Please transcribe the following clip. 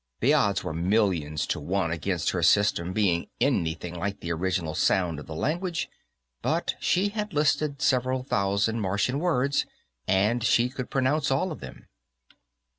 The odds were millions to one against her system being anything like the original sound of the language, but she had listed several thousand Martian words, and she could pronounce all of them.